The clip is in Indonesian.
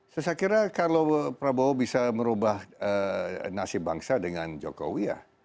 saya kira kalau prabowo bisa merubah nasib bangsa dengan jokowi ya